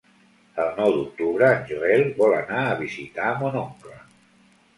El nou d'octubre en Joel vol anar a visitar mon oncle.